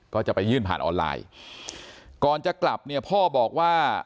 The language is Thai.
ก็จะไปยื่นผ่านออนไลน์ก่อนจะกลับเนี่ยพ่อบอกว่า